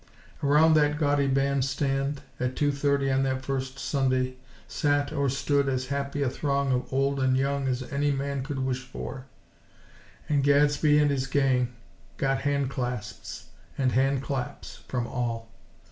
Around that gaudy band stand, at two thirty on that first Sunday, sat or stood as happy a throng of old and young as any man could wish for; and Gadsby and his "gang" got hand clasps and hand claps, from all.